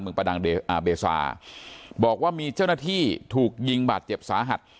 ประดังเบซาบอกว่ามีเจ้าหน้าที่ถูกยิงบาดเจ็บสาหัส